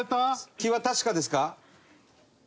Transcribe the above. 気は確かですか？